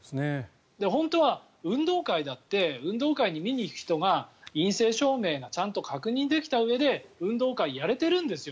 本当は運動会だって運動会に見に行く人は陰性証明をちゃんと確認したうえで運動会をやれているんですよ。